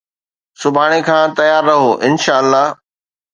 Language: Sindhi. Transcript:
سڀاڻي کان تيار رهو، انشاءَ الله